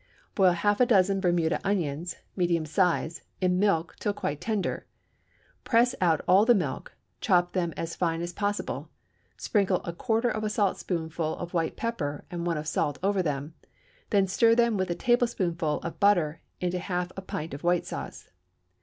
Boil half a dozen Bermuda onions (medium size) in milk till quite tender; press out all the milk; chop them as fine as possible; sprinkle a quarter of a saltspoonful of white pepper and one of salt over them; then stir them with a tablespoonful of butter into half a pint of white sauce.